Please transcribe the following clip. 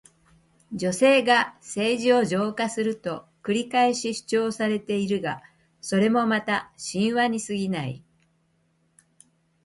女性が政治を浄化すると繰り返し主張されているが、それもまた神話にすぎない。